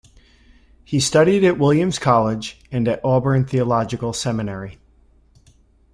He studied at Williams College and at Auburn Theological Seminary.